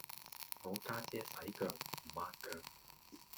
我家姐洗腳唔抹腳